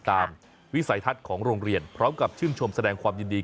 วิสัยทัศน์ของโรงเรียนพร้อมกับชื่นชมแสดงความยินดี